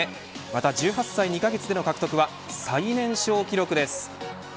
また１８歳２カ月での獲得は最年少記録です。